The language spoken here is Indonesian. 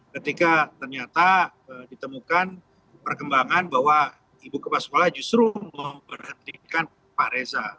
ketika ternyata ditemukan perkembangan bahwa ibu kepala sekolah justru memberhentikan pak reza